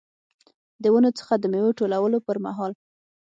د ونو څخه د میوو ټولولو پرمهال.